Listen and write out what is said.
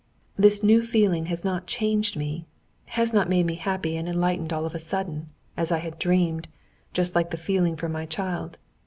"This new feeling has not changed me, has not made me happy and enlightened all of a sudden, as I had dreamed, just like the feeling for my child.